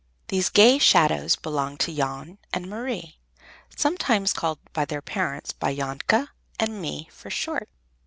These gay shadows belonged to Jan and Marie, sometimes called by their parents Janke and Mie, for short.